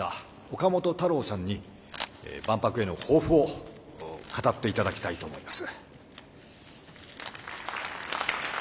岡本太郎さんに万博への抱負を語って頂きたいと思います。